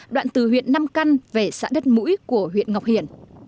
đoạn từ huyện nam căn về xã đất mũi của huyện ngọc hiển